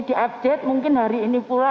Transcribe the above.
diupdate mungkin hari ini pula